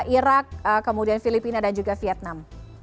irak kemudian filipina dan juga vietnam